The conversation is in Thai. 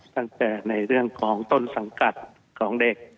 ตั้งแต่ในเรื่องของต้นสังกัดของเด็ก